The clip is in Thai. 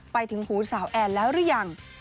ไปถึงหูสาวแอนแล้วหรือยัง